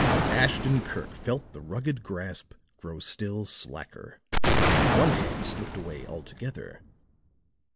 Ashton Kirk felt the rugged grasp grow still slacker; one hand slipped away altogether.